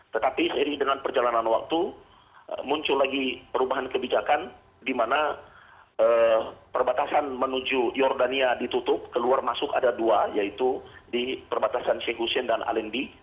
tetapi seiring dengan perjalanan waktu muncul lagi perubahan kebijakan di mana perbatasan menuju jordania ditutup keluar masuk ada dua yaitu di perbatasan sheikh hussein dan alendi